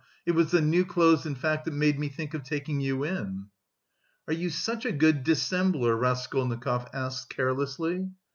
It was the new clothes in fact that made me think of taking you in." "Are you such a good dissembler?" Raskolnikov asked carelessly.